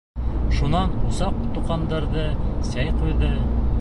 Шунан усаҡ тоҡандырҙы, сәй ҡуйҙы.